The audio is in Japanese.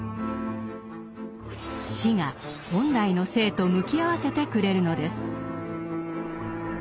死が本来の生と向き合わせてくれるのです。